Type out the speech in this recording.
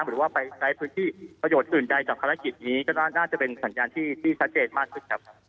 หรือว่าไปใช้พื้นที่ประโยชน์อื่นใดจากภารกิจนี้ก็น่าจะเป็นสัญญาณที่ชัดเจนมากขึ้นครับ